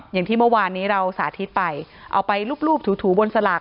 อย่างที่เมื่อวานนี้เราสาธิตไปเอาไปรูปถูบนสลาก